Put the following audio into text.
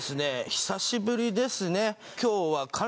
久しぶりですね